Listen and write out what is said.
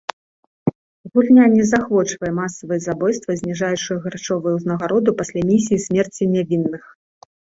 Гульня не заахвочвае масавыя забойствы, зніжаючы грашовую ўзнагароду пасля місіі смерці нявінных.